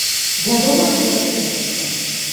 Вядома ж, гэта кепска!